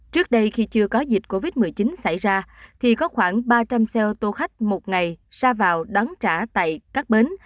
trước đây khi chưa có dịch covid một mươi chín xảy ra thì có khoảng ba trăm linh xe ô tô khách một ngày ra vào đón trả tại các bến